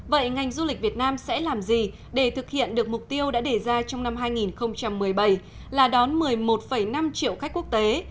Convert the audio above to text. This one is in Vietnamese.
vậy ngành du lịch việt nam sẽ làm gì để thực hiện được mục tiêu đã đề ra trong năm hai nghìn một mươi bảy là đón một mươi một năm triệu khách quốc tế